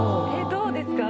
どうですか？